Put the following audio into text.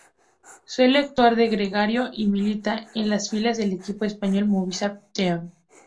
Suele actuar de gregario y milita en las filas del equipo español Movistar Team.